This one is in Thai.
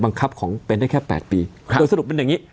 บังคับของเป็นได้แค่๘ปีโดยสรุป